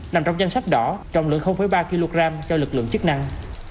nằm trong danh sách đỏ trọng lượng ba kg cho lực lượng chức năng